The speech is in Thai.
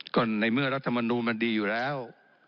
ก็ในเมื่อรัฐมนูลมันดีอยู่แล้ว